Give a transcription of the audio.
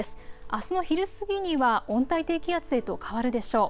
あすの昼過ぎには温帯低気圧へと変わるでしょう。